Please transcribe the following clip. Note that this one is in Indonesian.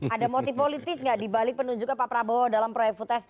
ada motif politis nggak di balik penunjuknya pak prabowo dalam proyek food estate